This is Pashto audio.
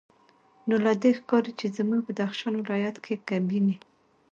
نو له دې ښکاري چې زموږ بدخشان ولایت کې ګبیني